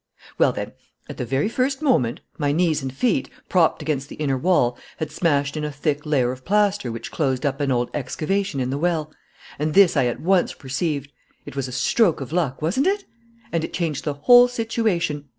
"Well, then, at the very first moment, my knees and feet, propped against the inner wall, had smashed in a thick layer of plaster which closed up an old excavation in the well; and this I at once perceived. It was a stroke of luck, wasn't it? And it changed the whole situation.